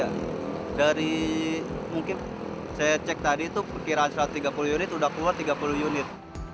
dari mungkin saya cek tadi itu perkiraan satu ratus tiga puluh unit sudah keluar tiga puluh unit